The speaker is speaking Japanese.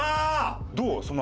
どう？